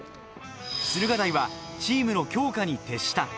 駿河台はチームの強化に徹した。